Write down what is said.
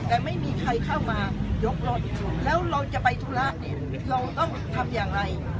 แต่ไม่มีใครเข้ามายกรถแล้วเราจะไปธุระเนี่ยเราต้องทำอย่างไร